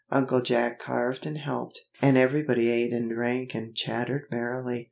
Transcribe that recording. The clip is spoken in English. Uncle Jack carved and helped, and everybody ate and drank and chattered merrily.